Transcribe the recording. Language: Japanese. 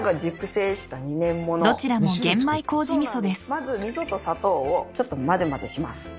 まず味噌と砂糖をちょっと混ぜ混ぜします。